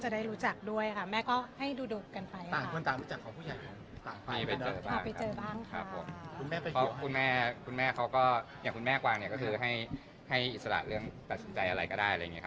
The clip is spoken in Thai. ดิคอทคุณแม่เค้าก็ให้ให้อิสระเรื่องประสิทธิ์อะไรก็ได้เลยไง